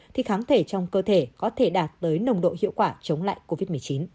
thì kháng thể trong cơ thể có thể đạt tới nồng độ hiệu quả chống lại covid một mươi chín